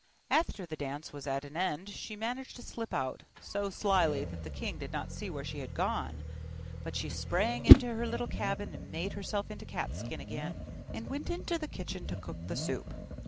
After the dance was at an end she managed to slip out, so slyly that the king did not see where she was gone; but she sprang into her little cabin, and made herself into Cat skin again, and went into the kitchen to cook the soup.